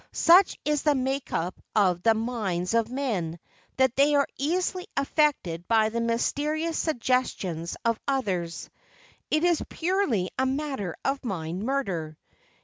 Such is the make up of the minds of men that they are easily affected by the mysterious suggestions of others. It is purely a matter of mind murder.